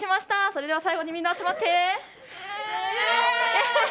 それでは最後にみんな集まって。